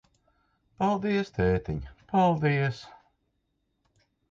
Paldies, tētiņ, paldies.